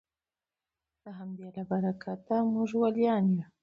د همدې له برکته موږ ولیان یو